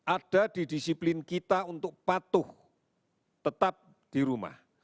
ada di disiplin kita untuk patuh tetap di rumah